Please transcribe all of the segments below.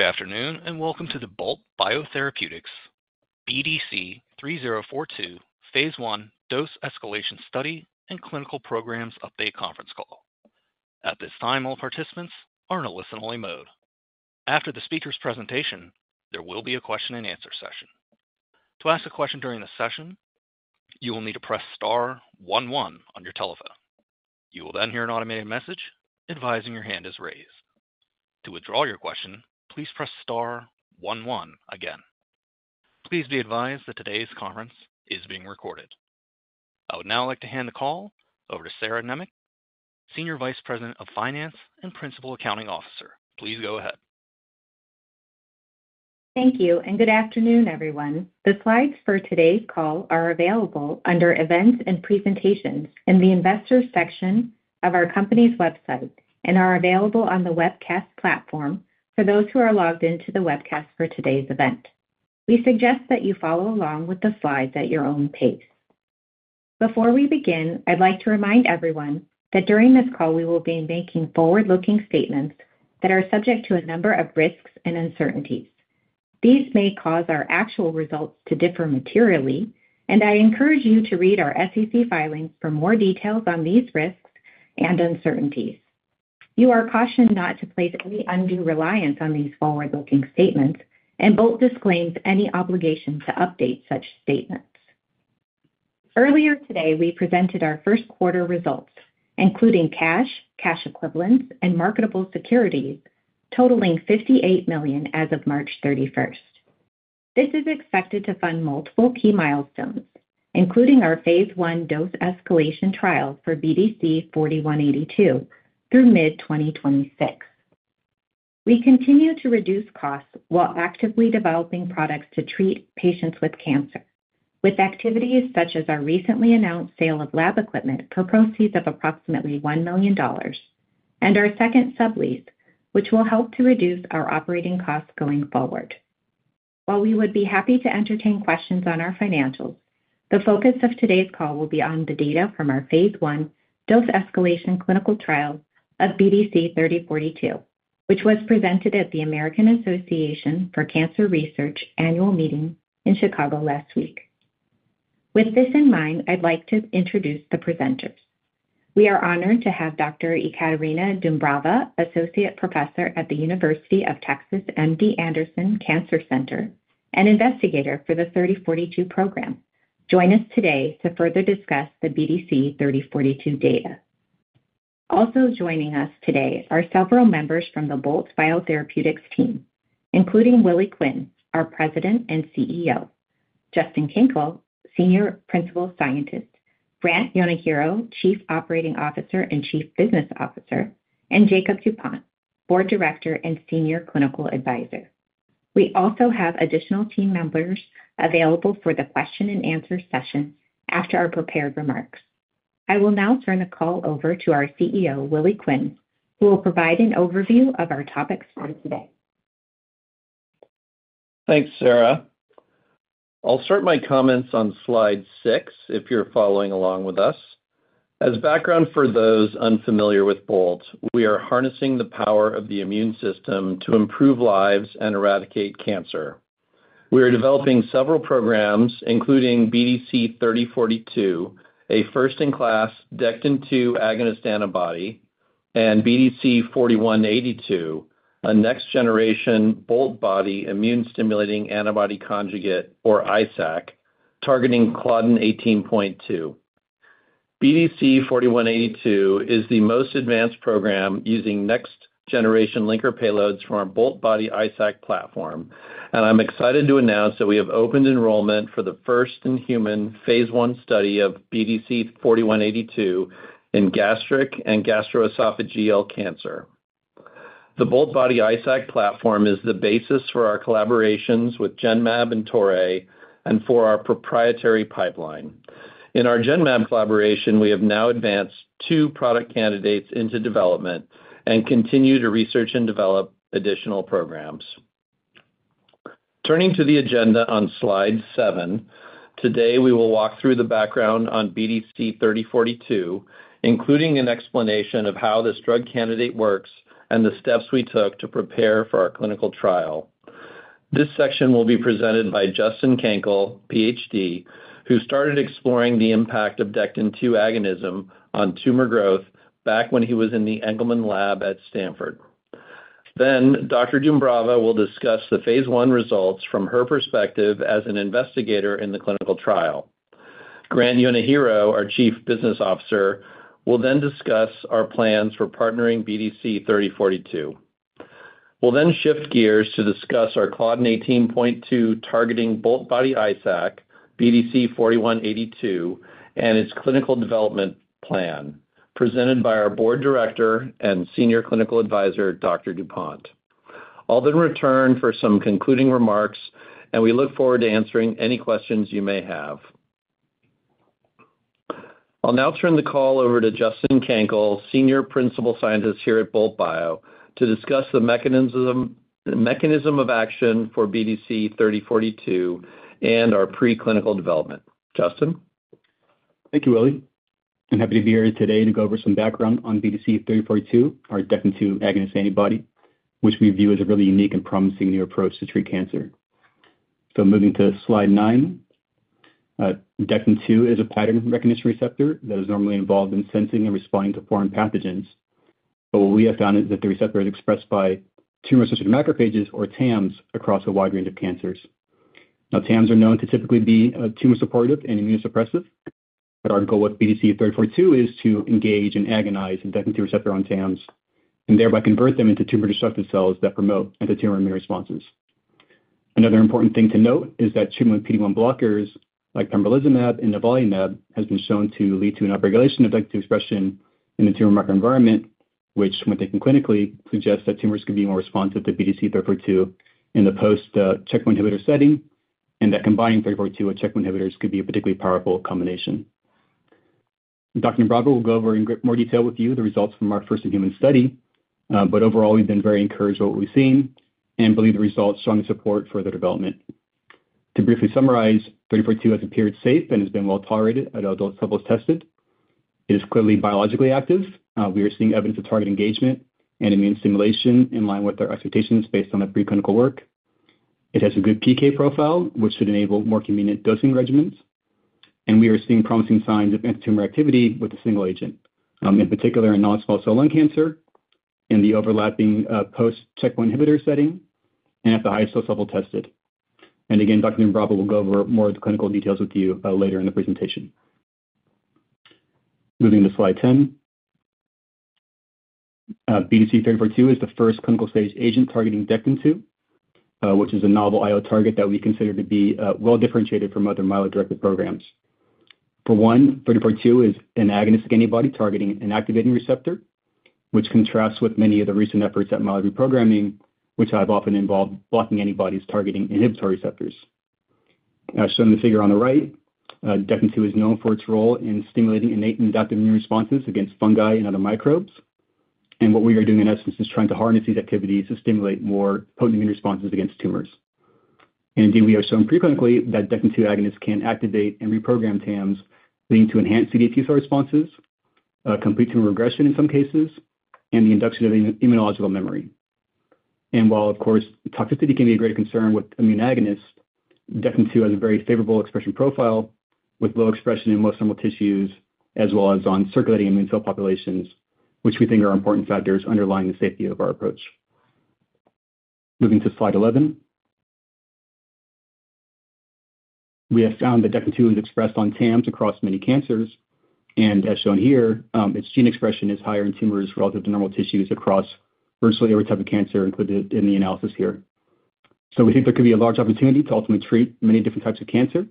Good afternoon and welcome to the Bolt Biotherapeutics BDC-3042 phase 1 dose escalation study and Clinical Programs Update conference call. At this time, all participants are in a listen only mode. After the speaker's presentation, there will be a question and answer session. To ask a question during the session, you will need to press star one one on your telephone. You will then hear an automated message advising your hand is raised. To withdraw your question, please press star one one again. Please be advised that today's conference is being recorded. I would now like to hand the call over to Sarah Nemec, Senior Vice President of Finance and Principal Accounting Officer. Please go ahead. Thank you and good afternoon everyone. The slides for today's call are available under Events and Presentations in the Investors section of our company's website and are available on the webcast platform. For those who are logged into the webcast for today's event, we suggest that you follow along with the slides at your own pace. Before we begin, I'd like to remind everyone that during this call we will be making forward looking statements that are subject to a number of risks and uncertainties. These may cause our actual results to differ materially and I encourage you to read our SEC filings for more details on these risks and uncertainties. You are cautioned not to place any undue reliance on these forward looking statements and Bolt disclaims any obligation to update such statements. Earlier today we presented our first quarter results including cash, cash equivalents and marketable securities totaling $58 million as of March 31. This is expected to fund multiple key milestones including our phase I dose escalation trial for BDC-4182 through mid-2026. We continue to reduce costs while actively developing products to treat patients with cancer with activities such as our recently announced sale of lab equipment for proceeds of approximately $1 million and our second sublease which will help to reduce our operating costs going forward. While we would be happy to entertain questions on our financials, the focus of today's call will be on the data from our phase I dose escalation clinical trial of BDC-3042, which was presented at the American Association for Cancer Research Annual Meeting in Chicago last week. With this in mind, I'd like to introduce the presenters. We are honored to have Dr. Ecaterina Dumbrava, Associate Professor at the University of Texas MD Anderson Cancer Center and investigator for the BDC-3042 program, joins us today to further discuss the BDC-3042 data. Also joining us today are several members from the Bolt Biotherapeutics team, including Willie Quinn, our President and CEO, Justin Kenkel, Senior Principal Scientist, Grant Yonehiro, Chief Operating Officer and Chief Business Officer, and Jakob Dupont, Board Director and Senior Clinical Advisor. We also have additional team members available for the question and answer session after our prepared remarks. I will now turn the call over to our CEO, Willie Quinn, who will provide an overview of our topics from today. Thanks, Sarah. I'll start my comments on slide 6 if you're following along with us. As background for those unfamiliar with Bolt, we are harnessing the power of the immune system to improve lives and eradicate cancer. We are developing several programs including BDC-3042, a first-in-class dectin-2 agonist antibody, and BDC-4182, a next-generation Boltbody Immune-Stimulating Antibody Conjugate, or ISAC, targeting Claudin 18.2. BDC-4182 is the most advanced program using next-generation linker payloads from our Boltbody ISAC platform, and I'm excited to announce that we have opened enrollment for the first-in-human phase I study of BDC-4182 in gastric and gastroesophageal cancer. The Boltbody ISAC platform is the basis for our collaborations with Genmab and Toray and for our proprietary pipeline. In our Genmab collaboration, we have now advanced two product candidates into development and continue to research and develop additional programs. Turning to the agenda on slide 7, today we will walk through the background on BDC-3042, including an explanation of how this drug candidate works and the steps we took to prepare for our clinical trial. This section will be presented by Justin Kenkel, PhD, who started exploring the impact of dectin-2 agonism on tumor growth back when he was in the Engelman Lab at Stanford. Dr. Dumbrava will discuss the phase I results from her perspective as an investigator in the clinical trial. Grant Yonehiro, our Chief Business Officer, will then discuss our plans for partnering BDC-3042. We will then shift gears to discuss our Claudin 18.2 targeting Boltbody ISAC BDC-4182 and its clinical development plan presented by our Board Director and Senior Clinical Advisor, Dr. Dupont. I will then return for some concluding remarks and we look forward to answering any questions you may have. I'll now turn the call over to Justin Kenkel, Senior Principal Scientist here at Bolt Bio, to discuss the mechanism of action for BDC-3042 and our preclinical development. Justin? Thank you, Willie. I'm happy to be here today to go over some background on BDC-3042 or dectin-2 antibody, which we view as a really unique and promising new approach to treat cancer. Moving to slide 9. Dectin-2 is a pattern recognition receptor that is normally involved in sensing and responding to foreign pathogens, but what we have found is that the receptor is expressed by tumor-associated macrophages or TAMs across a wide range of cancers. Now, TAMs are known to typically be tumor supportive and immunosuppressive. Our goal with BDC-3042 is to engage and agonize the dectin-2 receptor on TAMs and thereby convert them into tumor-destructive cells that promote anti-tumor immune responses. Another important thing to note is that tumor and PD-1 blockers like pembrolizumab and nivolumab have been shown to lead to an upregulation of dectin-2 expression in the tumor microenvironment, which when taken clinically suggests that tumors could be more responsive to BDC-3042 in the post-checkpoint inhibitor setting and that combining 3042 with checkpoint inhibitors could be a particularly powerful combination. Dr. Dumbrava will go over in more detail with you the results from our first-in-human study, but overall we've been very encouraged with what we've seen and believe the results show support for the development. To briefly summarize, 3042 has appeared safe and has been well tolerated at adult levels tested. It is clearly biologically active. We are seeing evidence of target engagement and immune stimulation in line with our expectations based on the preclinical work. It has a good PK profile which should enable more convenient dosing regimens and we are seeing promising signs of antitumor activity with a single agent, in particular in non-small cell lung cancer in the overlapping post-checkpoint inhibitor setting and at the highest dose level tested, and again Dr. Dumbrava will go over more of the clinical details with you later in the presentation. Moving to slide 10, BDC-3042 is the first clinical-stage agent targeting dectin-2, which is a novel IO target that we consider to be well differentiated from other myelo-directed programs. For BDC-3042, it is an agonistic antibody targeting an activating receptor, which contrasts with many of the recent efforts at myeloid reprogramming, which have often involved blocking antibodies targeting inhibitory receptors. As shown in the figure on the right, dectin-2 is known for its role in stimulating innate and adaptive immune responses against fungi and other microbes. What we are doing, in essence, is trying to harness these activities to stimulate more potent immune responses against tumors. Indeed, we have shown preclinically that dectin-2 agonists can activate and reprogram TAMs, leading to enhanced CD8 T cell responses, complete tumor regression in some cases, and the induction of immunological memory. While of course toxicity can be a great concern with immune agonists, dectin-2 has a very favorable expression profile with low expression in most normal tissues as well as on circulating immune cell populations, which we think are important factors underlying the safety of our approach. Moving to slide 11, we have found that dectin-2 is expressed on TAMs across many cancers and as shown here, its gene expression is higher in tumors relative to normal tissues across virtually every type of cancer included in the analysis here. We think there could be a large opportunity to ultimately treat many different types of cancer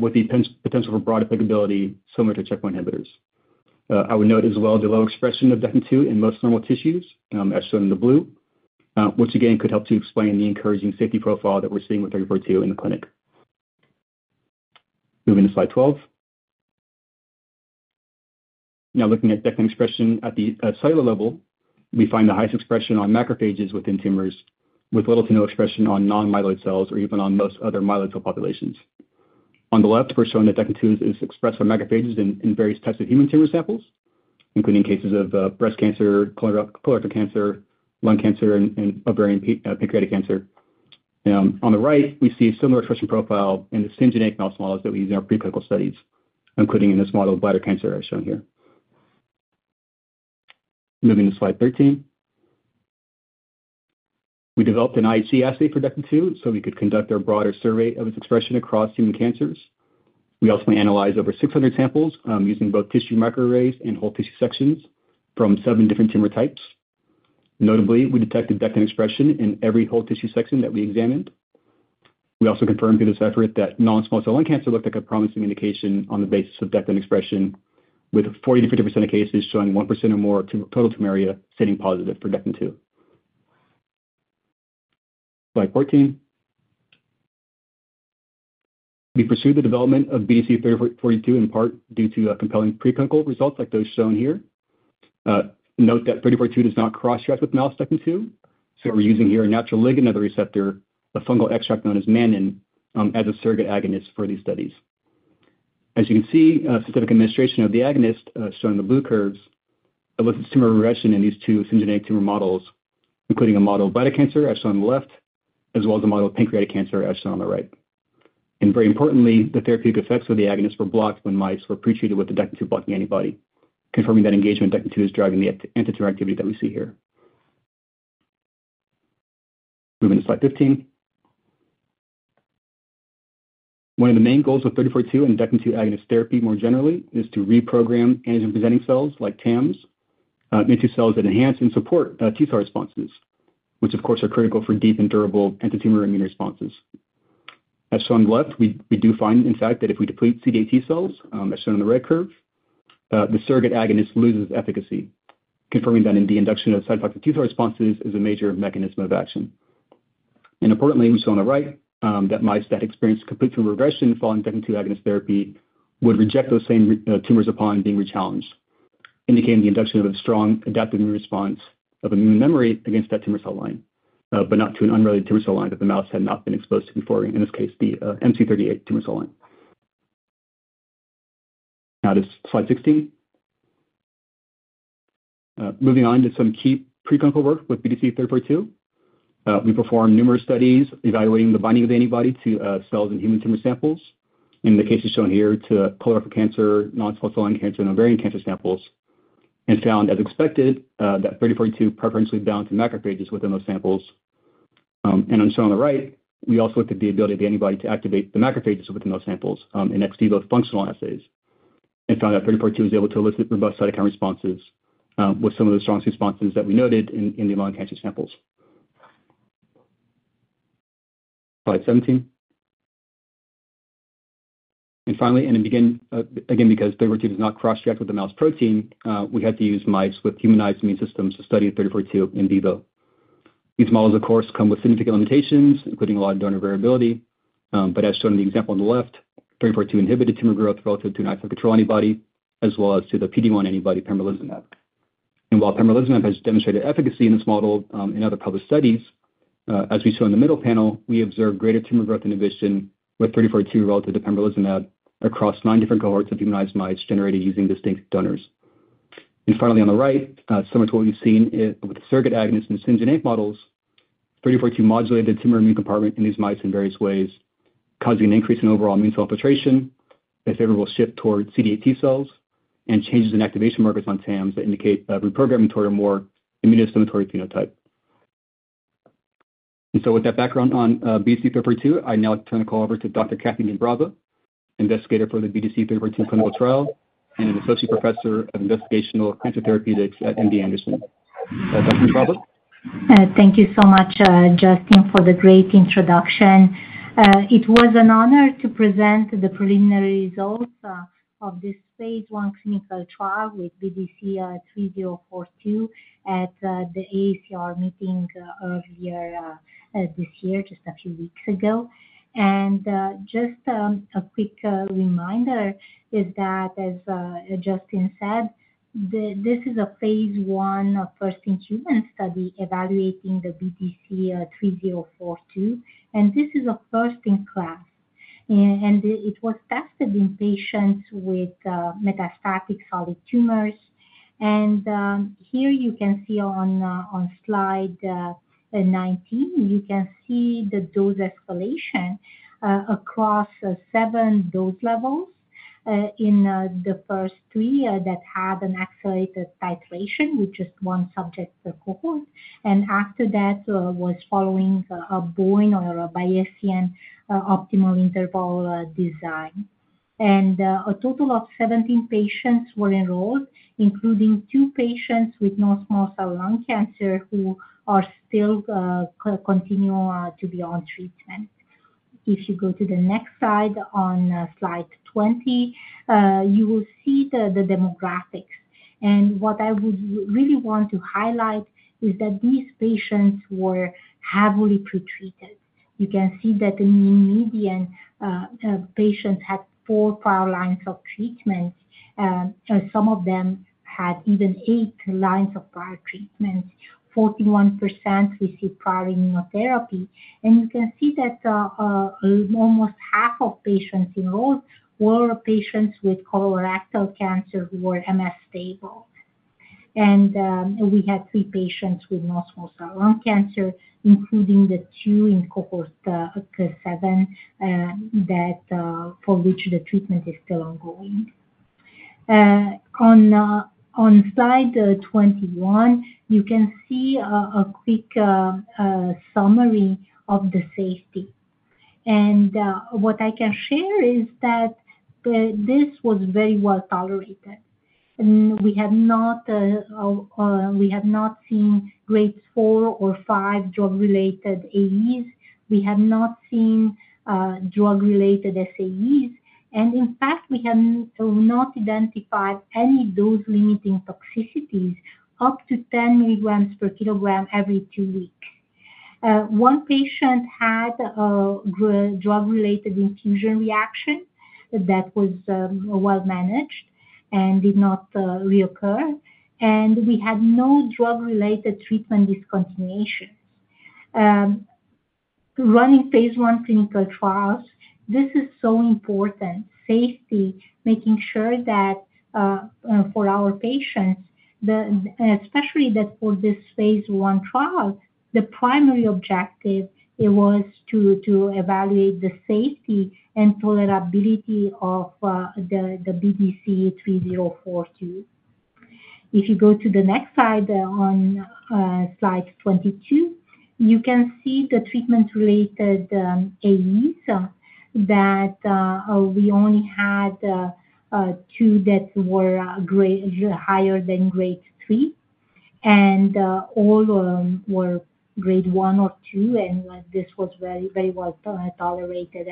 with the potential for broad applicability similar to checkpoint inhibitors. I would note as well the low expression of dectin-2 in most normal tissues as shown in the blue, which again could help to explain the encouraging safety profile that we're seeing with 3042 in the clinic. Moving to slide 12. Now, looking at dectin-2 expression at the cellular level, we find the highest expression on macrophages within tumors, with little to no expression on non-myeloid cells or even on most other myeloid cell populations. On the left, we're showing that dectin-2 is expressed on macrophages in various types of immune tumor samples, including cases of breast cancer, colorectal cancer, lung cancer, and ovarian pancreatic cancer. On the right, we see a similar expression profile in the same genetic mouse models that we use in our preclinical studies, including in this model of bladder cancer, as shown here. Moving to Slide 13, we developed an IHC assay for dectin-2 so we could conduct a broader survey of its expression across human cancers. We also analyzed over 600 samples using both tissue microarrays and whole tissue sections from seven different tumor types. Notably, we detected dectin-2 expression in every whole tissue section that we examined. We also confirmed through this effort that non-small cell lung cancer looked like a promising indication on the basis of dectin-2 expression, with 40%-50% of cases showing 1% or more total tumor area staining positive for dectin-2. Slide 14, we pursued the development of BDC-3042 in part due to compelling preclinical results like those shown here. Note that 3042 does not cross-react with mouse dectin-2, so we're using here a natural ligand of the receptor, a fungal extract known as mannan, as a surrogate agonist for these studies. As you can see, specific administration of the agonist shown in the blue curves elicits tumor regression in these two syngeneic tumor models, including a model of bladder cancer as shown on the left as well as a model of pancreatic cancer as shown on the right. Very importantly, the therapeutic effects of the agonist were blocked when mice were pretreated with the dectin-2 blocking antibody, confirming that engagement with dectin-2 is driving the antitumor activity that we see here. Moving to slide 15, one of the main goals with 3042 and dectin-2 agonist therapy more generally is to reprogram antigen presenting cells like TAMs into cells that enhance and support T cell responses, which of course are critical for deep and durable antitumor immune responses as shown on the left. We do find in fact that if we deplete CD8 T cells as shown in the red curve, the surrogate agonist loses efficacy, confirming that in the induction of cytotoxic effective T2 responses is a major mechanism of action. Importantly, we saw on the right that mice that experienced complete femoral regression following dectin-2 agonist therapy would reject those same tumors upon being rechallenged, indicating the induction of a strong adaptive immune response of immune memory against that tumor cell line, but not to an unrelated tumor cell line that the mouse had not been exposed to before, in this case the MC38 tumor cell line. Now this slide 16. Moving on to some key preclinical work with BDC-3042, we performed numerous studies evaluating the binding of the antibody to cells in human tumor samples, in the cases shown here to colorectal cancer, non-small cell lung cancer, and ovarian cancer samples, and found, as expected, that 3042 preferentially bound to macrophages within those samples, as shown on the right. We also looked at the ability of the antibody to activate the macrophages within those samples in ex vivo functional assays and found that 3042 was able to elicit robust cytokine responses, with some of the strongest responses that we noted in the lung cancer samples. Slide 17. Finally, and again, because 3042 does not cross-react with the mouse protein, we had to use mice with humanized immune systems to study 3042 in vivo. These models of course come with significant limitations, including a lot of donor variability, but as shown in the example on the left, BDC-3042 inhibited tumor growth relative to an ISO control antibody as well as to the PD-1 antibody pembrolizumab. While pembrolizumab has demonstrated efficacy in this model, in other published studies, as we saw in the middle panel, we observed greater tumor growth inhibition with BDC-3042 relative to pembrolizumab across nine different cohorts of humanized mice generated using distinct donors. Finally, on the right, similar to what we've seen with surrogate agonist and syngeneic models, BDC-3042 modulated the tumor immune compartment in these mice in various ways, causing an increase in overall immune cell infiltration, a favorable shift towards CD8 T cells, and changes in activation markers on TAMs that indicate reprogramming toward a more immunostimulatory phenotype. With that background on BDC-3042, I now turn the call over to Dr. Ecaterina Dumbrava, investigator for the BDC-3042 clinical trial and an Associate Professor of Investigational Cancer Therapeutics at MD Anderson. Dr. Dumbrava? Thank you so much, Justin, for the great introduction. It was an honor to present the preliminary results of this phase I clinical trial with BDC-3042 at the AACR meeting earlier this year just a few weeks ago. Just a quick reminder is that, as Justin said, this is a phase I first-in-human study evaluating the BDC-3042, and this is a first-in-class, and it was tested in patients with metastatic solid tumors. Here you can see on slide 19, you can see the dose escalation across seven dose levels, and the first three had an accelerated titration with just one subject per cohort, and after that was following a Bayesian Optimal Interval Design. A total of 17 patients were enrolled, including two patients with non-small cell lung cancer who are still continuing to be on treatment. If you go to the next slide on slide 20 you will see the demographics and what I would really want to highlight is that these patients were heavily pretreated. You can see that in median patients had four prior lines of treatment, some of them had even eight lines of prior treatments, 41% received prior immunotherapy and you can see that almost half of patients enrolled were patients with colorectal cancer who were MS stable. We had three patients with non-small cell lung cancer including the two in cohort seven for which the treatment is still ongoing. On slide 21 you can see a quick summary of the safety. What I can share is that this was very well tolerated. We have not seen grade four or five drug related AEs, we have not seen drug related SAEs and in fact we have not identified any dose limiting toxicities up to 10 mg/kg every two weeks. One patient had a drug related infusion reaction that was well managed and did not reoccur. We had no drug related treatment discontinuations. Running phase I clinical trials this is so important, safety, making sure that for our patients, especially that for this phase I trial, the primary objective was to evaluate the safety and tolerability of the BDC-3042. If you go to the next slide on slide 22 you can see the treatment related AEs that we only had two that were higher than grade three and all were grade one or two. This was very, very well tolerated.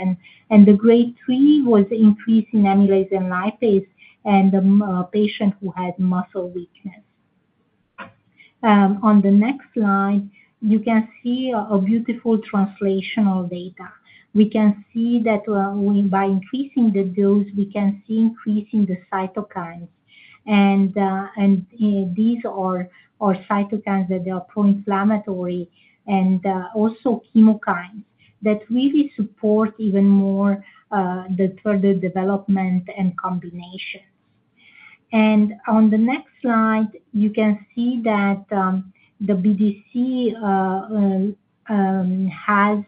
The grade 3 was increasing amylase and lipase and the patient who had muscle weakness. On the next slide you can see a beautiful translational data. We can see that by increasing the dose we can see increasing the cytokines and these are cytokines that they are pro-inflammatory and also chemokines that really support even more the further development and combination. On the next slide you can see that the BDC has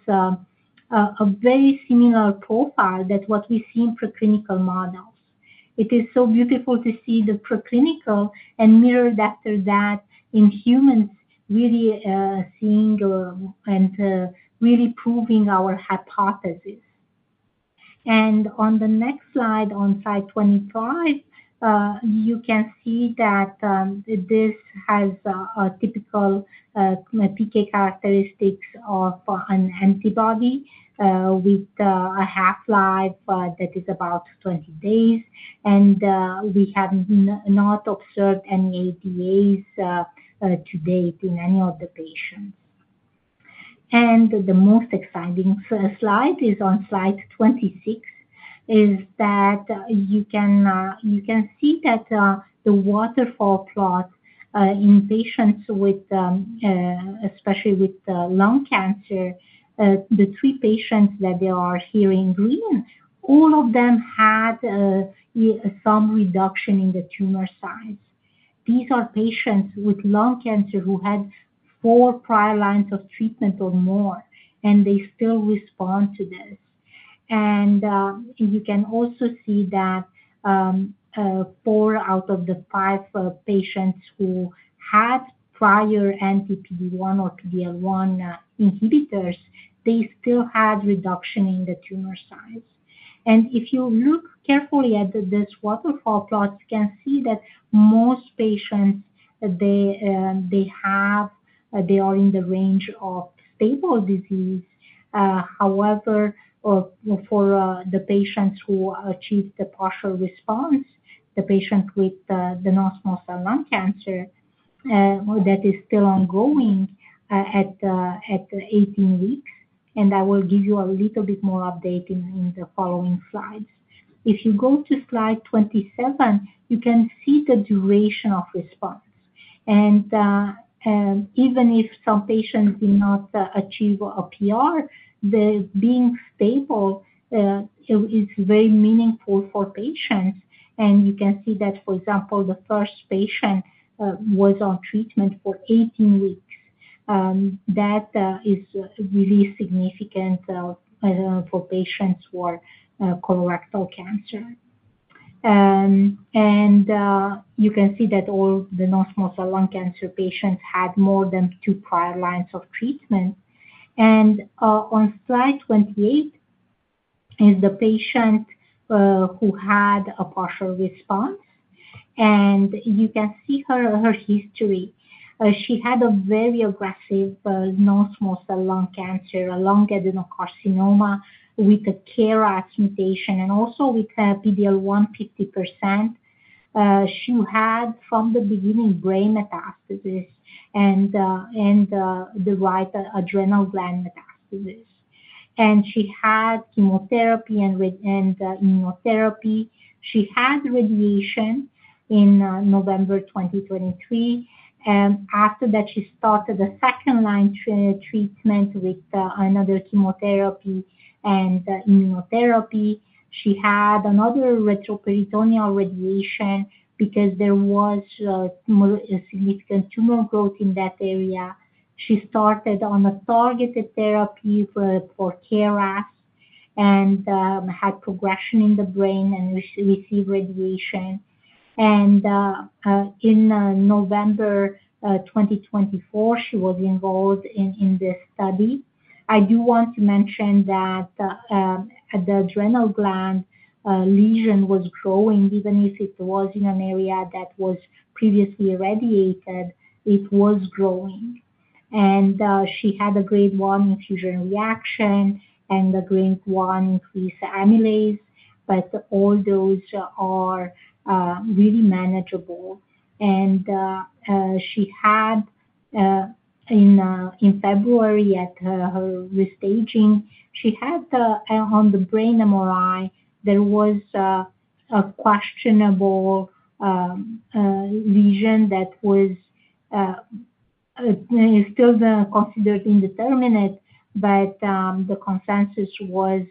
a very similar profile to what we see in preclinical models. It is so beautiful to see the preclinical and mirrored after that in humans. Really seeing and really proving our hypothesis. On the next slide, on slide 25, you can see that this has a typical PK characteristics of an antibody with a half life that is about 20 days. We have not observed any ADAs to date in any of the patients. The most exciting slide is on slide 26. You can see that the waterfall plot in patients, especially with lung cancer, the three patients that are here in green, all of them had some reduction in the tumor size. These are patients with lung cancer who had four prior lines of treatment or more and they still respond to this. You can also see that 4 out of the 5 patients who had prior anti-PD-1 or PD-L1 inhibitors still had reduction in the tumor size. If you look carefully at this waterfall plot, you can see that most patients are in the range of stable disease. However, for the patients who achieve the partial response, the patient with the non-small cell lung cancer that is still ongoing at 18 weeks. I will give you a little bit more update in the following slides. If you go to slide 27, you can see the duration of response. Even if some patients did not achieve a PR, being stable is very meaningful for patients. You can see that, for example, the first patient was on treatment for 18 weeks. That is really significant for patients who are colorectal cancer. You can see that all the non-small cell lung cancer patients had more than two prior lines of treatment. On slide 28 is the patient who had a partial response. You can see her history. She had a very aggressive non-small cell lung cancer, a lung adenocarcinoma with a KRAS mutation and also with PD-L1 50%. She had from the beginning brain metastasis and the right adrenal gland metastasis. She had chemotherapy and immunotherapy. She had radiation in November 2023. After that, she started a second line treatment with another chemotherapy and immunotherapy. She had another retroperitoneal radiation because there was significant tumor growth in that area. She started on a targeted therapy for KRAS and had progression in the brain and received radiation. In November 2024, she was involved in this study. I do want to mention that the adrenal gland lesion was growing. Even if it was in an area that was previously irradiated, it was growing and she had a grade 1 infusion reaction and a grade 1 increase amylase. All those are really manageable. She had, in February, at her restaging, she had on the brain MRI, there was a questionable lesion that was still considered indeterminate, but the consensus was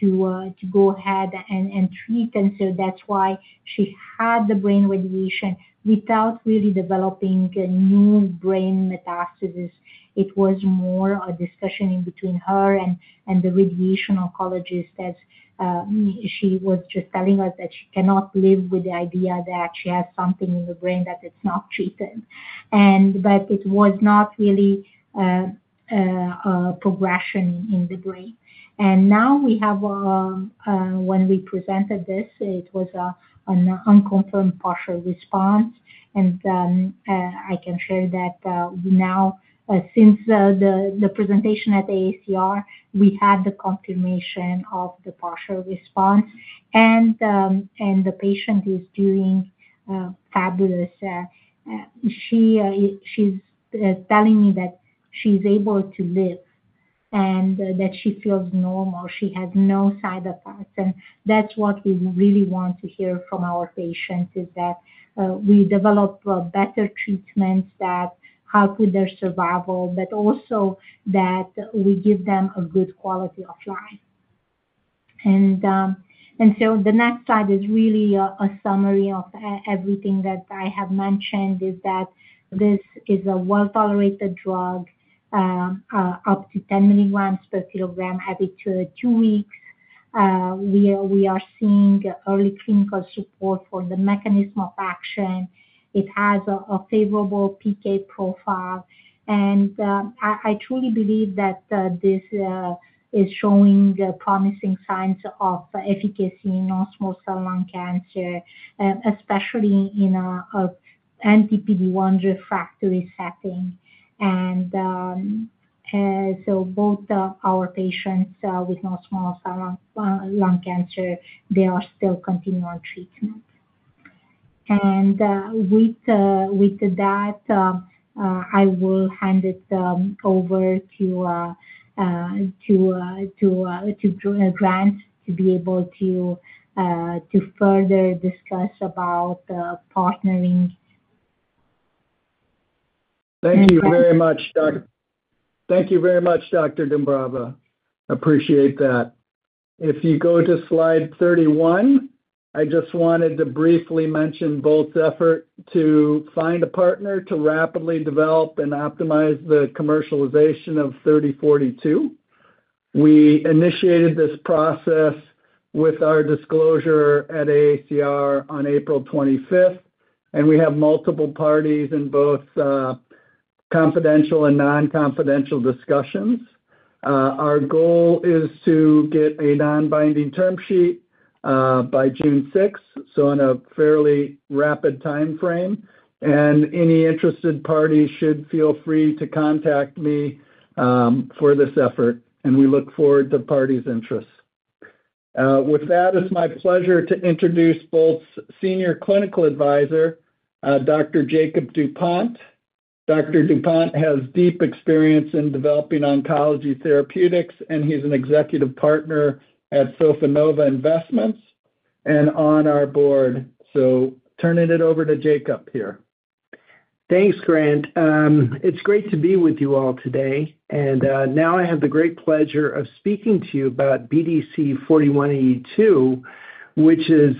to go ahead and treat. That is why she had the brain radiation without really developing new brain metastasis. It was more a discussion between her and the radiation oncologist as she was just telling us that she cannot live with the idea that she has something in the brain that is not treated, but it was not really progression in the brain. Now we have, when we presented this, it was an unconfirmed partial response. I can share that now, since the presentation at AACR, we had the confirmation of the partial response and the patient is doing fabulous. She is telling me that she is able to live and that she feels normal, she has no side effects. That is what we really want to hear from our patient is that we develop better treatments that help with their survival, but also that we give them a good quality of life. The next slide is really a summary of everything that I have mentioned, is that this is a well tolerated drug, up to 10 mg/kg every two weeks. We are seeing early clinical support for the mechanism of action. It has a favorable PK profile. I truly believe that this is showing promising signs of efficacy in non small cell lung cancer, especially in a NTPD1 refractory setting. Both our patients with non small cell lung cancer are still continuing on treatment. With that I will hand it over to Grant to be able to further discuss about partnering. Thank you very much, doctor. Thank you very much, Dr. Dumbrava. Appreciate that. If you go to slide 31, I just wanted to briefly mention Bolt's effort to find a partner to rapidly develop and optimize the commercialization of 3042. We initiated this process with our disclosure at AACR on April 25. We have multiple parties in both confidential and nonconfidential discussions. Our goal is to get a nonbinding term sheet by June 6, in a fairly rapid time frame. Any interested parties should feel free to contact me for this effort. We look forward to parties' interests. With that, it's my pleasure to introduce Bolt's Senior Clinical Advisor, Dr. Jakob Dupont. Dr. Dupont has deep experience in developing oncology therapeutics and he's an executive partner at Sofinnova Investments and on our board. Turning it over to Jakob here. Thanks, Grant. It's great to be with you all today. I have the great pleasure of speaking to you about BDC-4182, which is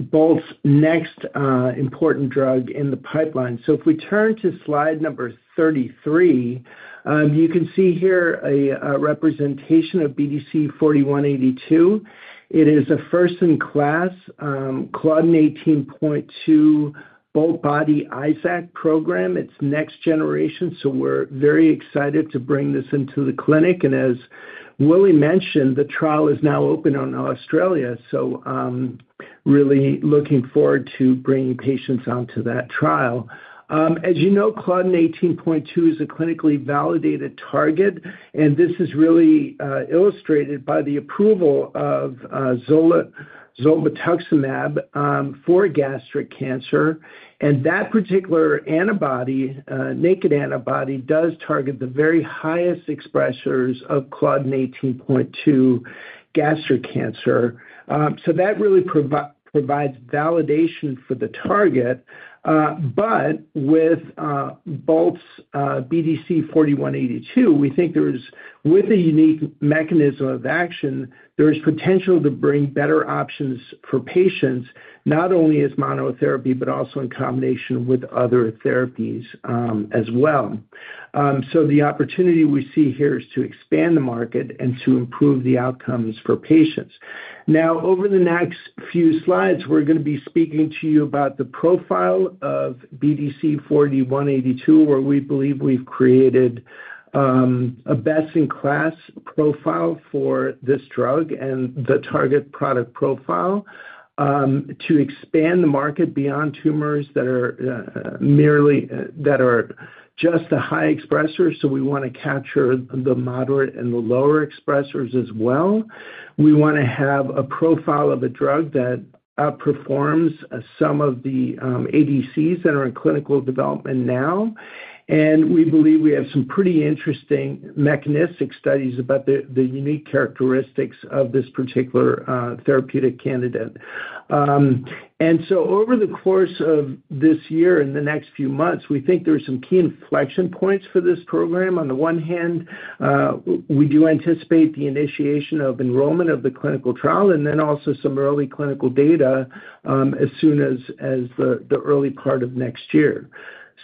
Bolt's next important drug in the pipeline. If we turn to slide number 33, you can see here a representation of BDC-4182. It is a first-in-class Claudin 18.2 Boltbody ISAC program. It's next generation. We're very excited to bring this into the clinic. As Willie mentioned, the trial is now open in Australia. I'm really looking forward to bringing patients onto that trial. As you know, Claudin 18.2 is a clinically validated target. This is really illustrated by the approval of zolbetuximab for gastric cancer. That particular naked antibody does target the very highest expressors of Claudin 18.2 gastric cancer. That really provides validation for the target. With Bolt's BDC-4182, we think there is, with a unique mechanism of action, potential to bring better options for patients, not only as monotherapy but also in combination with other therapies as well. The opportunity we see here is to expand the market and to improve the outcomes for patients. Now, over the next few slides, we're going to be speaking to you about the profile of BDC-4182, where we believe we've created a best-in-class profile for this drug and the target product profile to expand the market beyond tumors that are merely, that are just the high expressors. We want to capture the moderate and the lower expressors as well. We want to have a profile of a drug that outperforms some of the ADCs that are in clinical development now. We believe we have some pretty interesting mechanistic studies about the unique characteristics of this particular therapeutic candidate. Over the course of this year and the next few months, we think there are some key inflection points for this program. On the one hand, we do anticipate the initiation of enrollment of the clinical trial and also some early clinical data as soon as the early part of next year.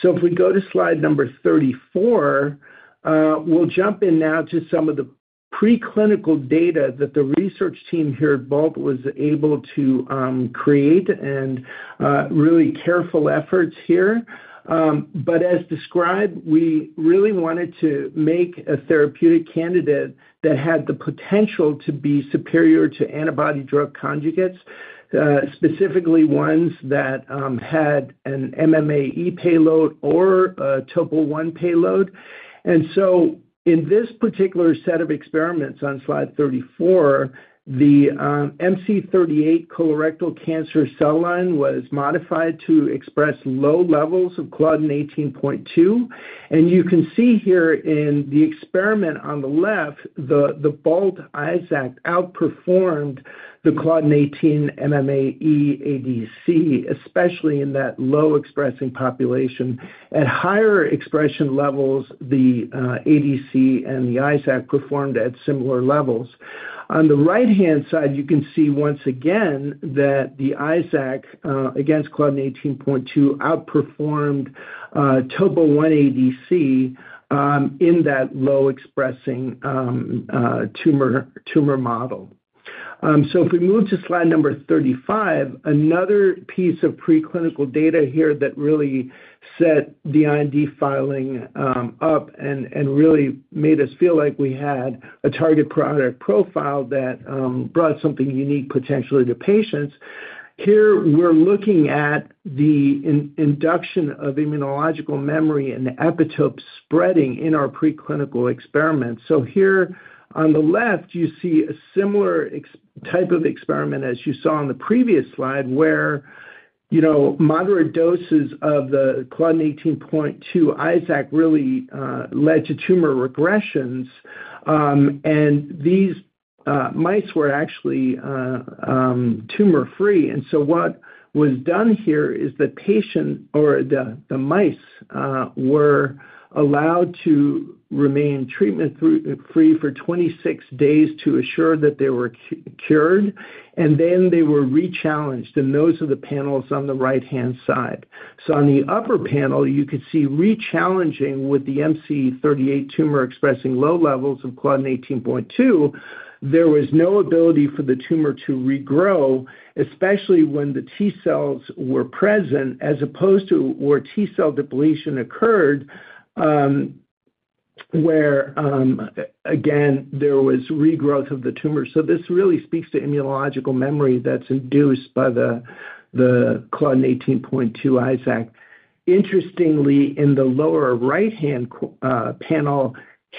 If we go to slide number 34, we'll jump in now to some of the preclinical data that the research team here at Bolt was able to create and really careful efforts here. As described, we really wanted to make a therapeutic candidate that had the potential to be superior to antibody-drug conjugates, specifically ones that had an MMAE payload or TOPO1 payload. In this particular set of experiments. On slide 34, the MC38 colorectal cancer cell line was modified to express low levels of Claudin 18.2. You can see here in the experiment on the left, the Bolt ISAC outperformed the Claudin 18.2 MMAE ADC, especially in that low expressing population. At higher expression levels, the ADC and the ISAC performed at similar levels. On the right hand side, you can see once again that the ISAC against Claudin 18.2 outperformed TOPO1 ADC in that low expressing tumor model. If we move to slide number 35, another piece of preclinical data here that really set the IND filing up and really made us feel like we had a target product profile that brought something unique potentially to patients. Here we're looking at the induction of immunological memory and the epitope spreading in our preclinical experiments. Here on the left you see a similar type of experiment as you saw on the previous slide, where moderate doses of the Claudin 18.2 ISAC really led to tumor regressions and these mice were actually tumor free. What was done here is the mice were allowed to remain treatment free for 26 days to assure that they were cured and then they were rechallenged, and those are the panels on the right hand side. On the upper panel you could see rechallenging with the MC38 tumor expressing low levels of Claudin 18.2, there was no ability for the tumor to regrow, especially when the T cells were present as opposed to where T cell depletion occurred, where again there was regrowth of the tumor. This really speaks to immunological memory that's induced by the Claudin 18.2 ISAC. Interestingly, in the lower right hand panel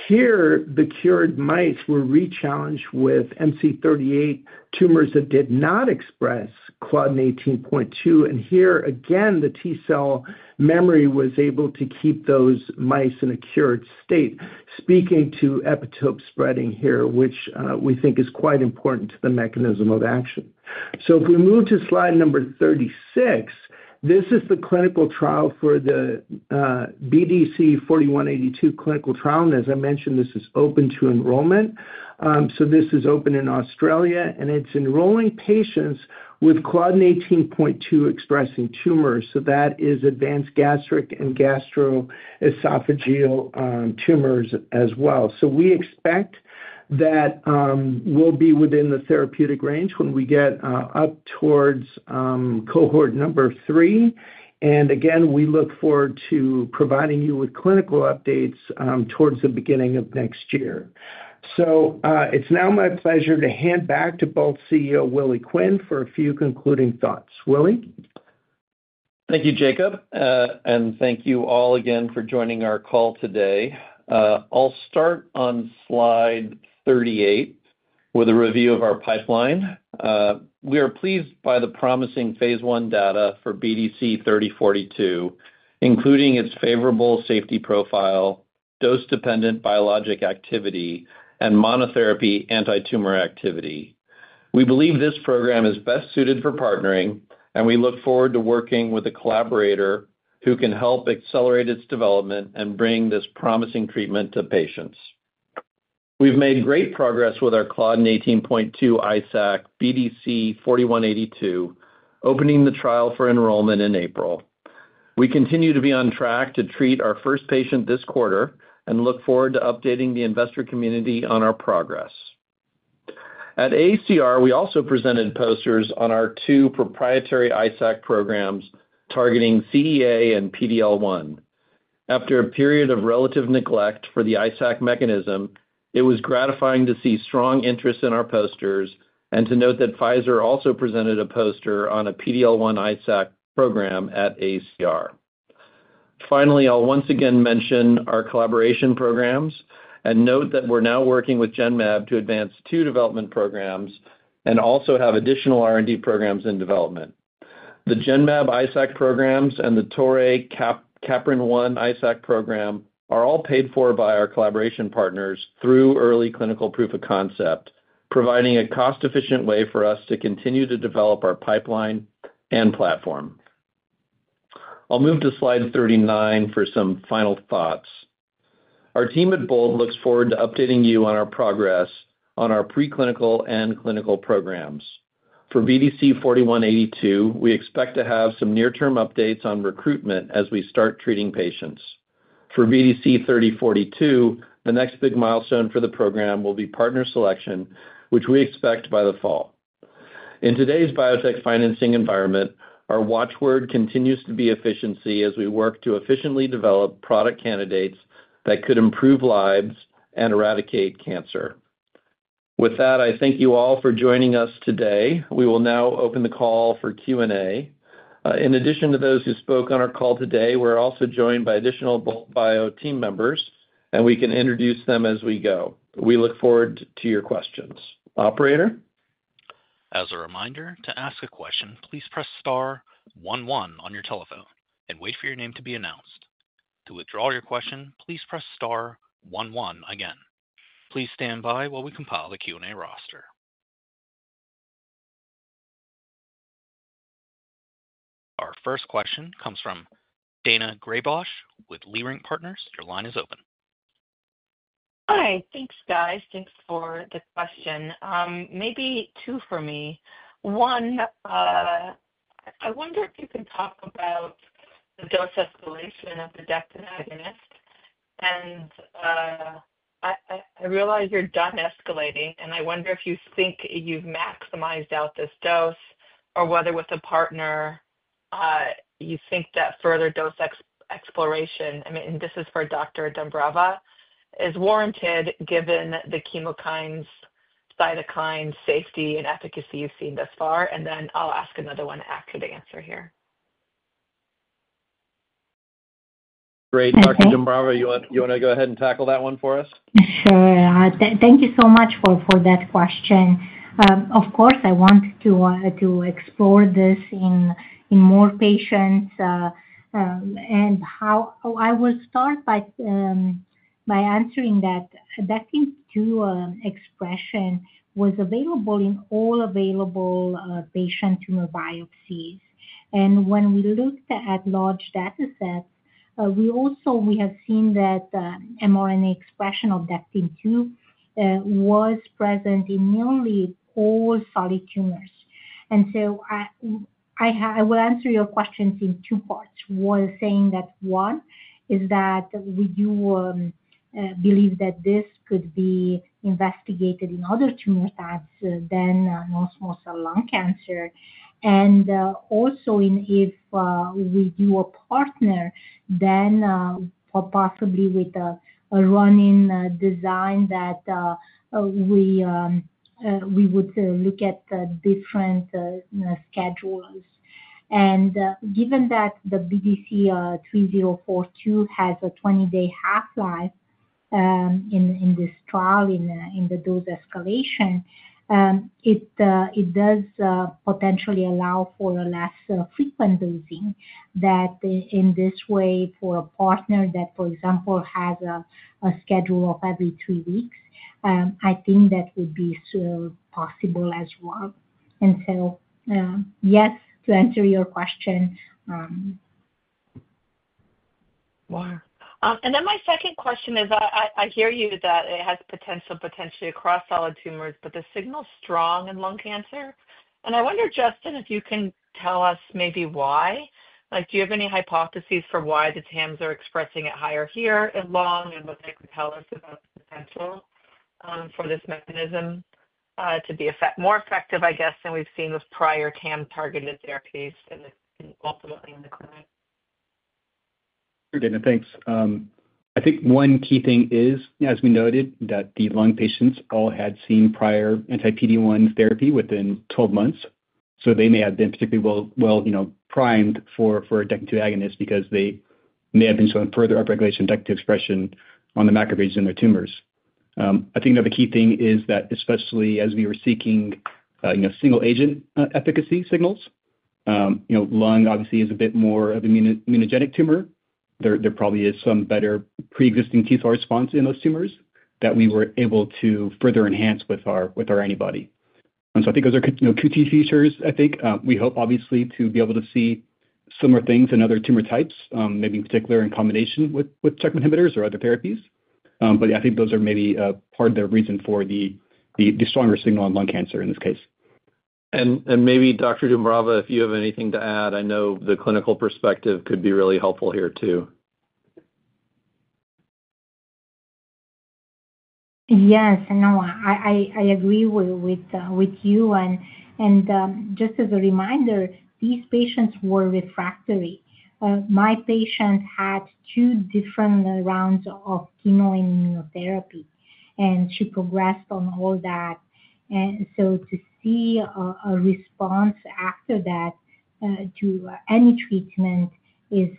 here, the cured mice were rechallenged with MC38 tumors that did not express Claudin 18.2. Here again the T cell memory was able to keep those mice in a cured state. Speaking to epitope spreading here, which we think is quite important to the mechanism of action. If we move to slide number 36. This is the clinical trial for the BDC-4182 clinical trial. As I mentioned, this is open to enrollment. This is open in Australia and it is enrolling patients with Claudin 18.2 expressing tumors. That is advanced gastric and gastroesophageal tumors as well. We expect that we will be within the therapeutic range when we get up towards cohort number three. We look forward to providing you with clinical updates towards the beginning of next year. It's now my pleasure to hand back to both CEO Willie Quinn for a few concluding thoughts. Willie? Thank you, Jakob. Thank you all again for joining our call today. I'll start on slide 38 with a review of our pipeline. We are pleased by the promising phase I data for BDC-3042, including its favorable safety profile, dose dependent biologic activity, and monotherapy antitumor activity. We believe this program is best suited for partnering and we look forward to working with a collaborator who can help accelerate its development and bring this promising treatment to patients. We've made great progress with our Claudin 18.2 ISAC BDC-4182, opening the trial for enrollment in April. We continue to be on track to treat our first patient this quarter and look forward to updating the investor community on our progress at AACR. We also presented posters on our two proprietary ISAC programs targeting CEA and PD-L1. After a period of relative neglect for the ISAC mechanism. It was gratifying to see strong interest in our posters and to note that Pfizer also presented a poster on a PD-L1 ISAC program at AACR. Finally, I'll once again mention our collaboration programs and note that we're now working with Genmab to advance two development programs and also have additional R&D programs in development. The Genmab ISAC programs and the Toray Caprin-1 ISAC program are all paid for by our collaboration partners through early clinical proof of concept, providing a cost-efficient way for us to continue to develop our pipeline and platform. I'll move to slide 39 for some final thoughts. Our team at Bolt looks forward to updating you on our progress on our preclinical and clinical programs for BDC-4182. We expect to have some near-term updates on recruitment as we start treating patients for BDC-3042. The next big milestone for the program will be partner selection, which we expect by the fall. In today's biotech financing environment, our watchword continues to be efficiency as we work to efficiently develop product candidates that could improve lives and eradicate cancer. With that, I thank you all for joining us today. We will now open the call for Q&A. In addition to those who spoke on our call today, we're also joined by additional Bolt Bio team members and we can introduce them as we go. We look forward to your questions. Operator? As a reminder to ask a question, please press star one one on your telephone and wait for your name to be announced. To withdraw your question, please press star one one. Again, please stand by while we compile the Q&A roster. Our first question comes from Daina Graybosch with Leerink Partners. Your line is open. Hi. Thanks guys. Thanks for the question. Maybe two for me. 1. I wonder if you can talk about the dose escalation of the dectin-2 agonist, and I realize you're done escalating, and I wonder if you think you've maximized out this dose or whether with a partner you think that further dose exploration. And this is for Dr. Dumbrava, is warranted given the chemokines, cytokine safety and efficacy you've seen thus far. I will ask another one after the answer here. Great. Dr. Dumbrava, you want to go ahead and tackle that one for us? Sure. Thank you so much for that question. Of course I want to explore this in more patients and I will start by answering that dectin-2 expression was available in all available patient tumor biopsies and when we looked at large datasets, we also have seen that mRNA expression of dectin-2 was present in nearly all solid tumors. I will answer your questions in two parts while saying that one is, is that we do believe that this could be investigated in other tumor types than non-small cell lung cancer. Also, if we do a partner then possibly with a running design that we would look at different schedules. Given that the BDC-3042 has a 20 day half-life in this trial in the dose escalation, it does potentially allow for a less frequent dosing that in this way for a partner that, for example, has a schedule of every three weeks. I think that would be possible as well. Yes, to answer your question. Wow. Then my second question is I hear you that it has potential potentially across solid tumors, but the signal's strong in lung cancer. I wonder, Justin, if you can tell us maybe why. Like do you have any hypotheses for why the TAMs are expressing it higher here in lung and what they call about the potential for this mechanism to be more effective, I guess than we've seen with prior TAM targeted therapies ultimately in the clinic? Thanks. I think one key thing is as we noted that the lung patients all had seen prior anti-PD-1 therapy within 12 months. They may have been particularly well primed for a Dectin-2 agonist because they may have been shown further upregulation, inductive expression on the macrophages in their tumors. I think that the key thing is that especially as we were seeking single agent efficacy signals, lung obviously is a bit more of an immunogenic tumor. There probably is some better pre-existing T cell response in those tumors that we were able to further enhance with our antibody. I think those are key features. I think we hope obviously to be able to see similar things in other tumor types, maybe in particular in combination with checkpoint inhibitors or other therapies. I think those are maybe part of the reason for the stronger signal on lung cancer in this case. Maybe Dr. Dumbrava, if you have anything to add. I know the clinical perspective could be really helpful here too. Yes, no, I agree with you. And just as a reminder, these patients were refractory. My patient had two different rounds of chemo immunotherapy and she progressed on all that. To see a response after that to any treatment is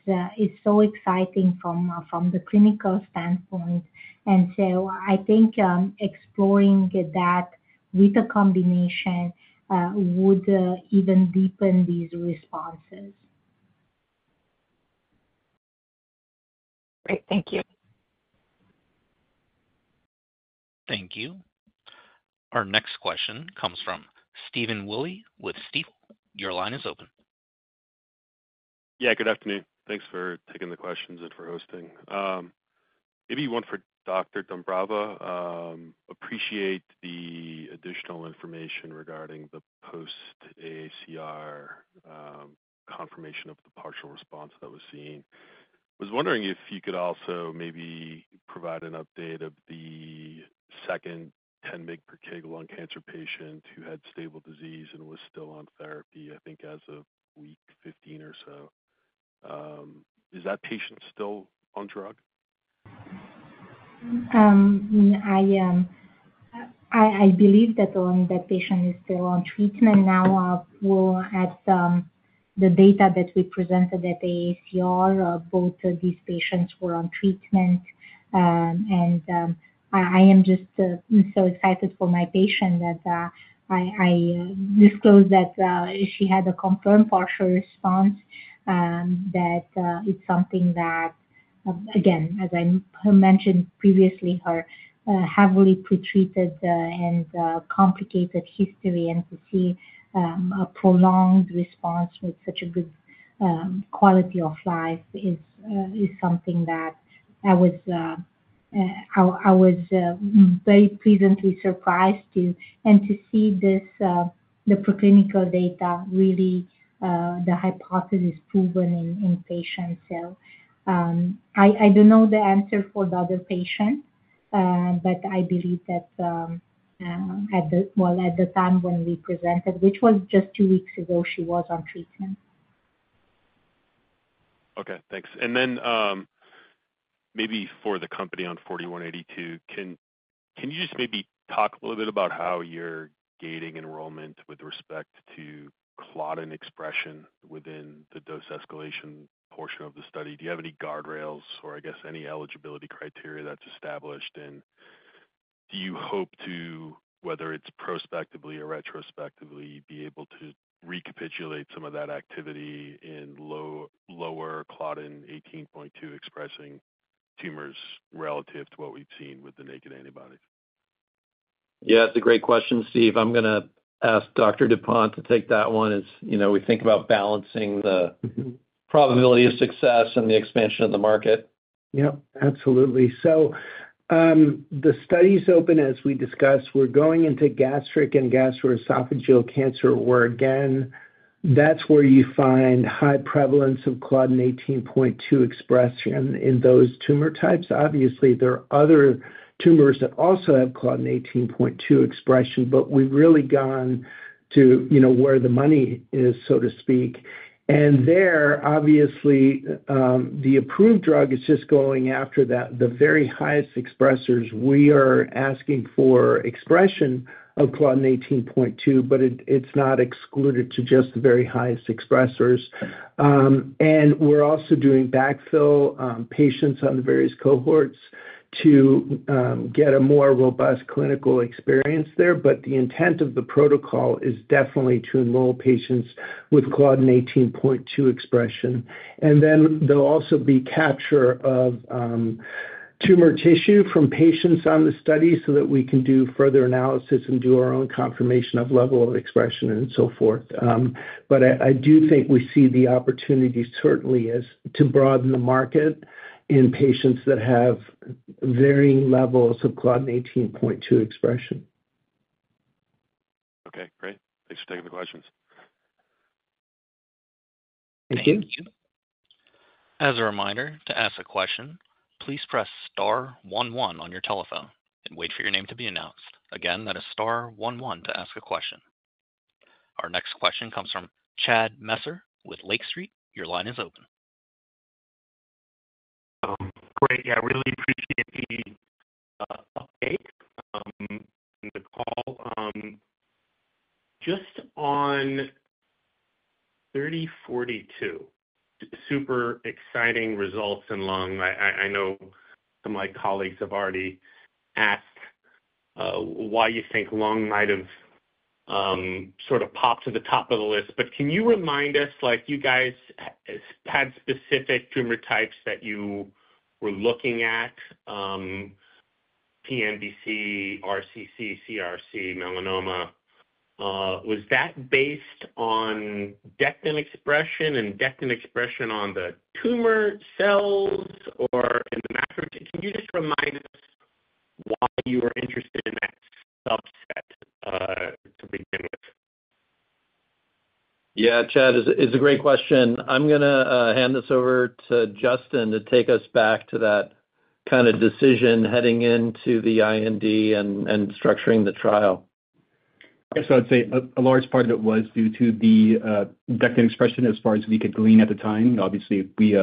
so exciting from the clinical standpoint. I think experts exploring that with a combination would even deepen these responses. Great. Thank you. Thank you. Our next question comes from Stephen Willey with Stifel. Your line is open. Yeah, good afternoon. Thanks for taking the questions and for hosting. Maybe one for Dr. Dumbrava. Appreciate the additional information regarding the post AACR confirmation of the partial response that was seen. I was wondering if you could also maybe provide an update of the second 10 mg/kg lung cancer patient who had stable disease and was still on therapy, I think as of week 15 or so. Is that patient still on drug? I believe that patient is still on treatment. Now, at the data that we presented at the AACR, both these patients were on treatment. I am just so excited for my patient that I disclosed that she had a confirmed partial response. That is something that, again, as I mentioned previously, her heavily pretreated and complicated history and to see a prolonged response with such a good quality of life is something that I was very pleasantly surprised. You. To see this, the preclinical data, really the hypothesis proven in patients. I do not know the answer for the other patient, but I believe that at the time when we presented, which was just two weeks ago, she was on treatment. Okay, thanks. Maybe for the company on 4182, can you just maybe talk a little bit about how you're gating enrollment with respect to Claudin 18.2 expression within the dose escalation portion of the study? Do you have any guardrails or, I guess, any eligibility criteria that's established, and do you hope to, whether it's prospectively or retrospectively, be able to recapitulate some of that activity in lower Claudin 18.2 expressing tumors relative to what we've seen with the naked antibodies? Yeah, it's a great question, Steve. I'm going to ask Dr. Dupont to take that one. As you know, we think about balancing the probability of success and the expansion of the market. Yep, absolutely. The study is open, as we discussed, we're going into gastric and gastroesophageal cancer, where again, that's where you find high prevalence of Claudin 18.2 expression in those tumor types. Obviously, there are other tumors that also have Claudin 18.2 expression, but we've really gone to, you know, where the money is, so to speak. There, obviously, the approved drug is just going after that. The very highest expressors, we are asking for expression of Claudin 18.2, but it's not excluded to just the very highest expressors. We're also doing backfill patients on the various cohorts to get a more robust clinical experience there. The intent of the protocol is definitely to enroll patients with Claudin 18.2 expression. There will also be capture of tumor tissue from patients on the study so that we can do further analysis and do our own confirmation of level of expression and so forth. I do think we see the opportunity certainly as to broaden the market in patients that have varying levels of Claudin 18.2 expression. Okay, great. Thanks for taking the questions. Thank you. As a reminder to ask a question, please press star one one on your telephone and wait for your name to be announced again. That is star one one to ask a question. Our next question comes from Chad Messer with Lake Street. Your line is open. Great. Yeah, really appreciate the update and the call. Just on 3042. Super exciting results in lung. I know some of my colleagues have already asked why you think lung might have sort of popped to the top of the list, but can you remind us, like, you guys had specific tumor types that you were looking at? PNBC, RCC, CRC, melanoma. Was that based on dectin expression and dectin expression on the tumor cells or in the macro? Can you just remind us why you are interested in that subset to begin with? Yeah, Chad, it's a great question. I'm going to hand this over to Justin to take us back to that kind of decision heading into the IND and structuring the trial. I'd say a large part of it was due to the dectin-2 expression as far as we could glean at the time. Obviously, we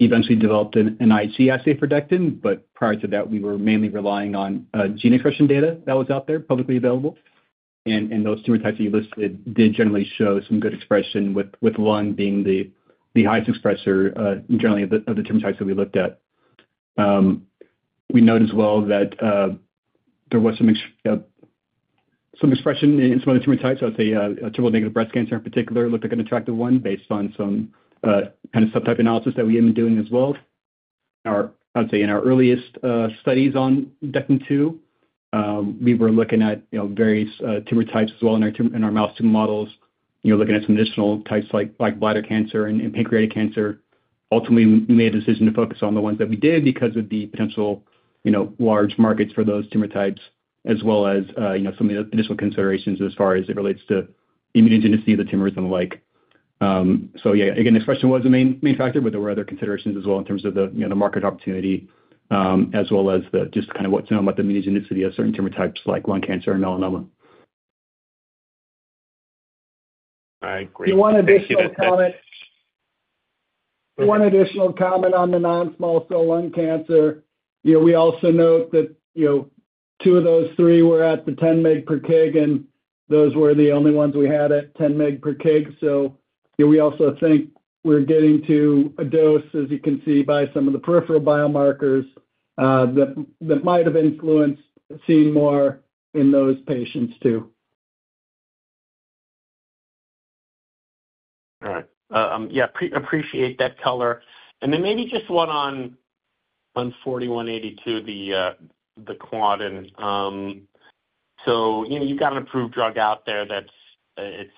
eventually developed an IHC assay for dectin-2, but prior to that we were mainly relying on gene expression data that was out there publicly available. Those tumor types that you listed did generally show some good expression, with one being the highest expressor generally of the tumor types that we looked at. We note as well that there was some expression in some other tumor types. I would say tumor negative breast cancer in particular looked like an attractive one based on some kind of subtype analysis that we have been doing as well. I'd say in our earliest studies on dectin-2, we were looking at various tumor types as well in our mouse tumor models, looking at some additional types like bladder cancer and pancreatic cancer. Ultimately, we made a decision to focus on the ones that we did because of the potential, you know, large markets for those tumor types as well as, you know, some of the additional considerations as far as it relates to immunogenicity of the tumors and the like. Yeah, again, expression was the main factor, but there were other considerations as well in terms of the, you know, the market opportunity as well as the just kind of what's known about the immunogenicity of certain tumor types like lung cancer and melanoma. I agree. One additional comment on the non-small cell lung cancer. We also note that two of those three were at the 10 mg/kg and those were the only ones we had at 10 mg/kg. We also think we're getting to a dose, as you can see, by some of the peripheral biomarkers that might have influenced seeing more in those patients too. All right, yeah, appreciate that color. Maybe just one on 4182, the quad. You have got an approved drug out there that it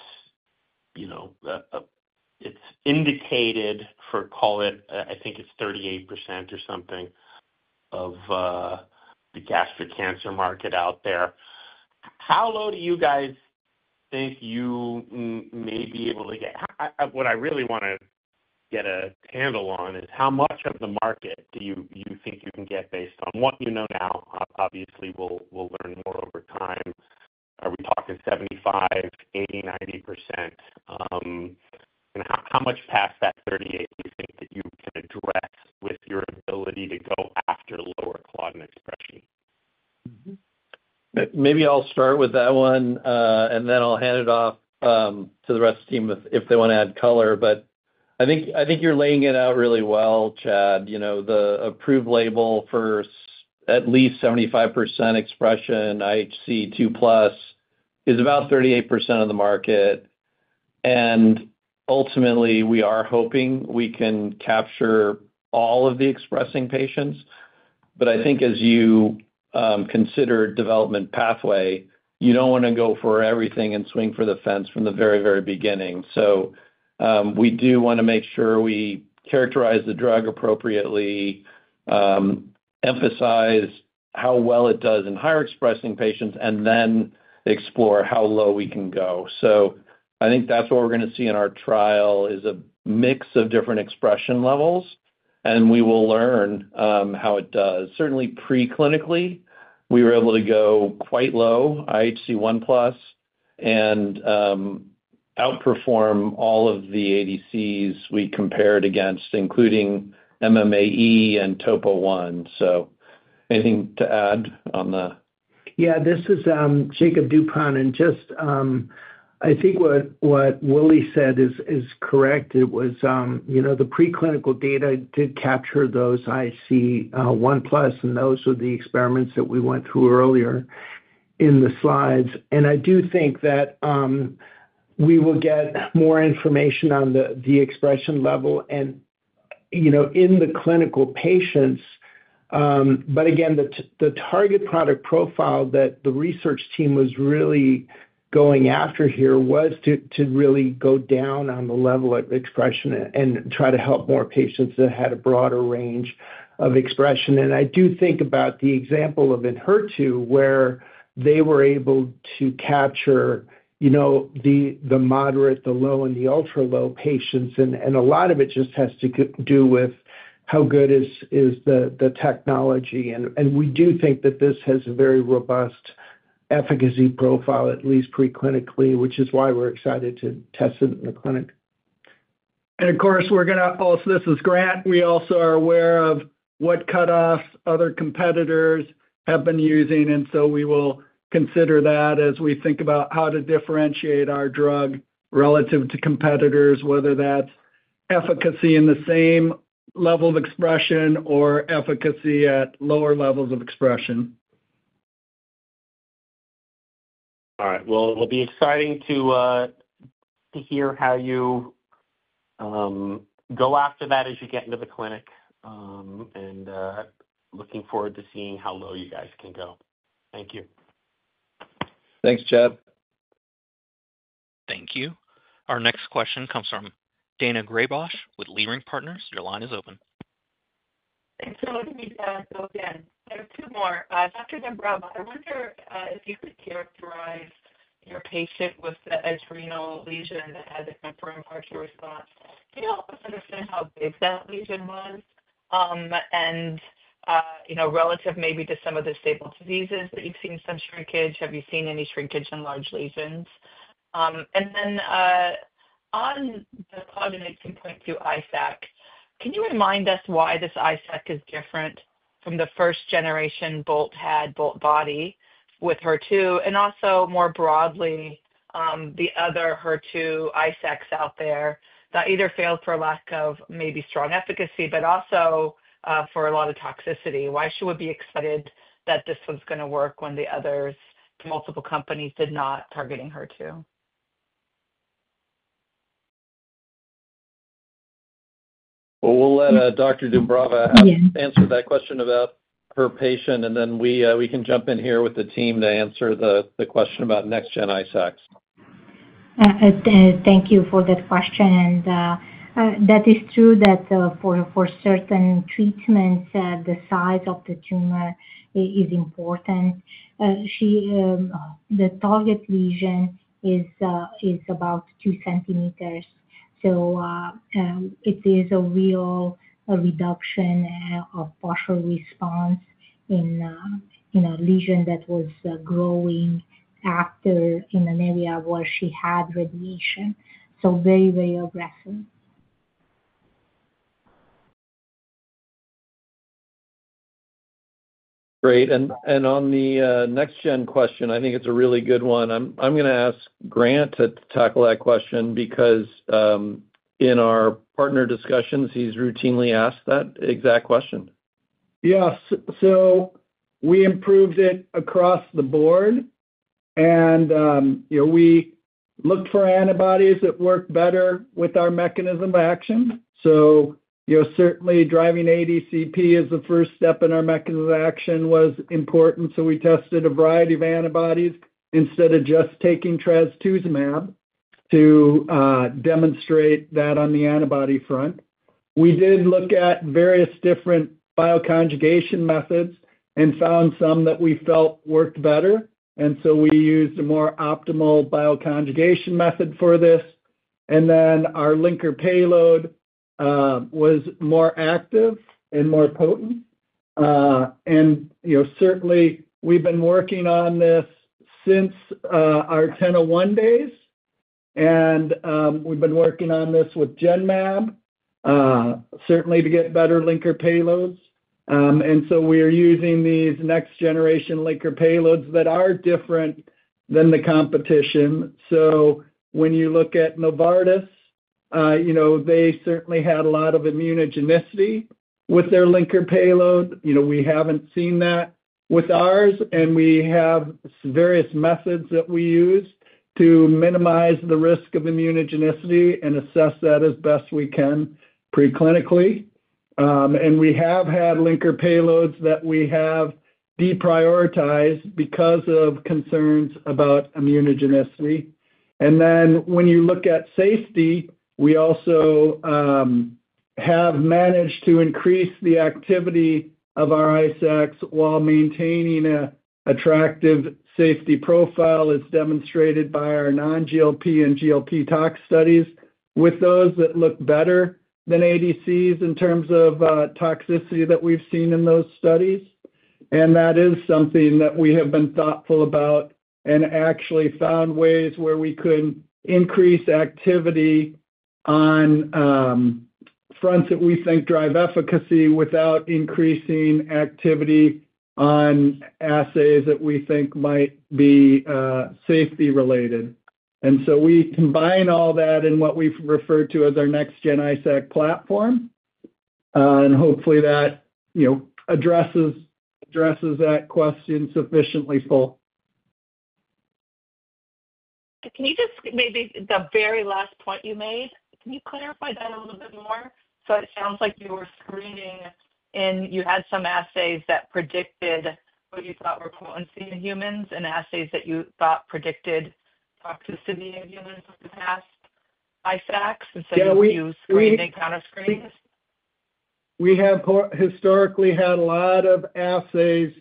is indicated for. Call it, I think it is 38% or something of the gastric cancer market out there. How low do you guys think you? May be able to get? What I really want to get a handle on is how much of the market do you think you can get based on what you know? Now obviously we'll learn more over time. Are we talking 75%, 80%, 90%? How much past that 38% do you think that you can address with your ability to go after lower Claudin 18.2 expression? Maybe I'll start with that one and then I'll hand it off to the rest of the team if they want to add color. I think you're laying it out really well, Chad. You know, the approved label for at least 75% expression, IHC2+ is about 38% of the market. Ultimately we are hoping we can capture all of the expressing patients. I think as you consider development pathway, you don't want to go for everything and swing for the fence from the very, very beginning. We do want to make sure we characterize the drug appropriately, emphasize how well it does in higher expressing patients, and then explore how low we can go. I think that's what we're going to see in our trial is a mix of different expression levels and we will learn how it does. Certainly, preclinically we were able to go quite low IHC 1+ and outperform all of the ADCs we compared against, including MMAE and TOPO1. So anything to add on the. Yeah, this is Jakob Dupont and just I think what Willie said is correct. It was the preclinical data did capture those IC1+, and those are the experiments that we went through earlier in the slides. I do think that we will get more information on the de expression level in the clinical patients. Again, the target product profile that the research team was really going after here was to really go down on the level of expression and try to help more patients that had a broader range of expression. I do think about the example of in HER2 where they were able to capture the moderate, the low and the ultra low patients. A lot of it just has to do with how good is the technology. We do think that this has a very robust efficacy profile, at least preclinically, which is why we're excited to test it in the clinic. Of course, we're going to also, this is Grant. We also are aware of what cutoffs other competitors have been using. We will consider that as we think about how to differentiate our drug relative to competitors, whether that's efficacy in the same level of expression or efficacy at lower levels of expression. All right, it will be exciting to hear how you. Go after that as you get into the clinic. Looking forward to seeing how low you guys can go. Thank you. Thanks, Chad. Thank you. Our next question comes from Daina Graybosch with Leerink Partners. Your line is open. Thanks for letting me go again. I have two more. Dr. Dumbrava, I wonder if you could characterize your patient with an adrenal lesion that had the confirmed artery response. Can you help us understand how big that lesion was and relative maybe to some of the stable diseases that you've seen some shrinkage? Have you seen any shrinkage in large lesions? On the cognizant point to ISAC, can you remind us why this ISAC is different from the first generation Bolt had, Boltbody with HER2, and also more broadly the other HER2 ISACs out there that either failed for lack of maybe strong efficacy, but also for a lot of toxicity? Why she would be excited that this was going to work when the others, multiple companies, did not targeting HER2. We will let Dr. Dumbrava answer that question about her patient and then we can jump in here with the team to answer the question about next-gen ISACs. Thank you for that question. That is true that for certain treatments the size of the tumor is important. The target lesion is about 2 cm. It is a real reduction of partial response in a lesion that was growing after in an area where she had radiation. Very, very aggressive. Great. On the next gen question, I think it's a really good one. I'm going to ask Grant to tackle that question because in our partner discussions he's routinely asked that exact question. Yes. We improved it across the board and we looked for antibodies that worked better with our mechanism of action. You know, certainly driving ADCP as the first step in our mechanization was important. We tested a variety of antibodies instead of just taking trastuzumab to demonstrate that on the antibody front, we did look at various different bioconjugation methods and found some that we felt worked better. We used a more optimal bioconjugation method for this. Then our linker payload was more active and more potent. Certainly we've been working on this since our 1001 days and we've been working on this with Genmab certainly to get better linker payloads. We are using these next generation linker payloads that are different than the competition. When you look at Novartis, you know, they certainly had a lot of immunogenicity with their linker payload. You know, we have not seen that with ours. We have various methods that we use to minimize the risk of immunogenicity and assess that as best we can preclinically. We have had linker payloads that we have deprioritized because of concerns about immunogenicity. When you look at safety, we also have managed to increase the activity of our ISACs while maintaining an attractive safety profile as demonstrated by our non GLP and GLP tox studies with those that look better than ADCs in terms of toxicity that we have seen in those studies. That is something that we have been thoughtful about and actually found ways where we could increase activity on fronts that we think drive efficacy without increasing activity on assays that we think might be safety related. We combine all that in what we refer to as our next gen ISAC platform and hopefully that addresses that question sufficiently full. Can you just maybe the very last point you made, can you clarify that a little bit more? It sounds like you were screening and you had some assays that predicted what you thought were potency in humans and assays that you thought predicted toxicity past ISACs. You screen encounter screens. We have historically had a lot of assays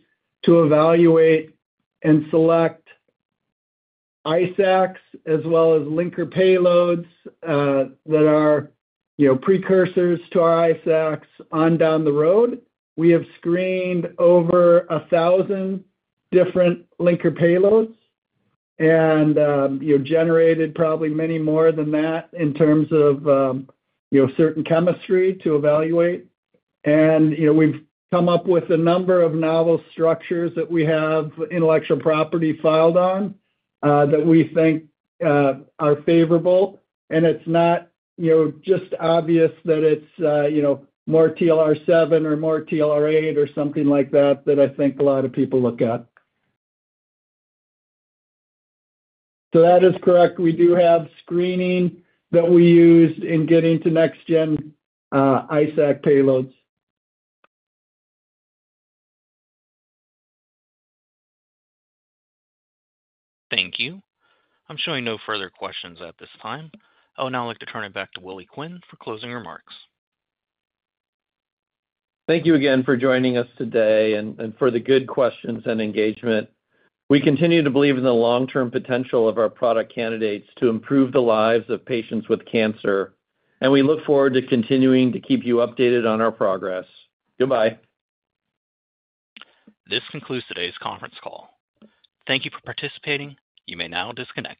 to evaluate and select ISACs as well as linker payloads that are, you know, precursors to our ISACs on down the road. We have screened over 1,000 different linker payloads and you generated probably many more than that in terms of certain chemistry to evaluate. We have come up with a number of novel structures that we have intellectual property filed on that we think are favorable and it's not just obvious that it's more TLR7 or more TLR8 or something like that that I think a lot of people look at. That is correct. We do have screening that we use in getting to next gen ISAC payloads. Thank you. I'm showing no further questions at this time. I would now like to turn it back to Willie Quinn for closing remarks. Thank you again for joining us today and for the good questions and engagement. We continue to believe in the long term potential of our product candidates to improve the lives of patients with cancer and we look forward to continuing to keep you updated on our progress. Goodbye. This concludes today's conference call. Thank you for participating. You may now disconnect.